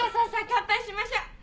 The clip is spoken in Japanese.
乾杯しましょう。